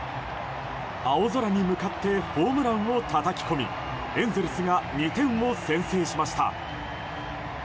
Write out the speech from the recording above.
青空に向かってホームランをたたき込みエンゼルスが２点を先制しました。